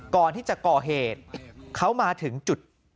ก่อนที่จะก่อเหตุเขามาถึงจุด